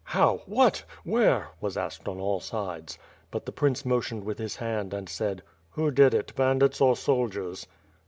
"How? What? Where?" was asked on all sides. But the prince motioned with his hand and asked: "Who did it, bandits or soldiers?"